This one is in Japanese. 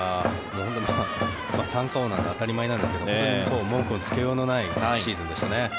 三冠王なので当たり前ですが本当に文句のつけようのないシーズンでしたね。